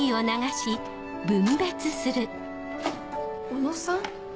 ・小野さん？